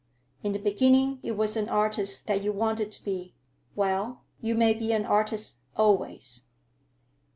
In the beginning it was an artist that you wanted to be; well, you may be an artist, always."